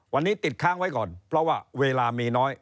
วันนี้ติดค้างไว้ก่อนเพราะว่าเวลามีน้อย